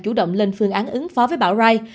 chủ động lên phương án ứng phó với bão rai